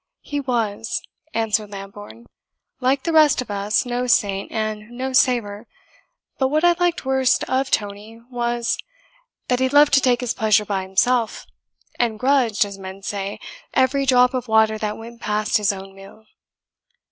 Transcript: "He was," answered Lambourne, "like the rest of us, no saint, and no saver. But what I liked worst of Tony was, that he loved to take his pleasure by himself, and grudged, as men say, every drop of water that went past his own mill.